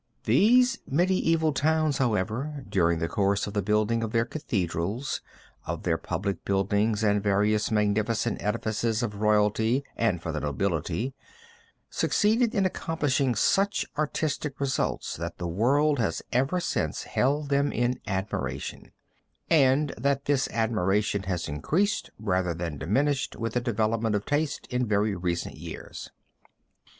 These medieval towns, however, during the course of the building of their cathedrals, of their public buildings and various magnificent edifices of royalty and for the nobility, succeeded in accomplishing such artistic results that the world has ever since held them in admiration, and that this admiration has increased rather than diminished with the development of taste in very recent years.